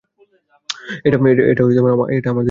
এটা আমার দেশ, আমার চুক্তি!